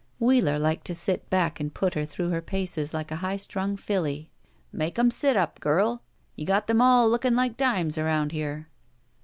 Wheeler liked to sit back and put her through her paces like a high strung filly. "Make 'em sit up, girl! You got them all looking like dimes around here.''